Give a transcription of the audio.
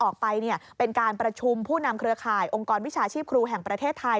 ก็นำเครือข่ายองค์กรวิชาชีพครูแห่งประเทศไทย